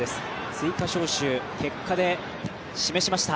追加招集、結果で示しました。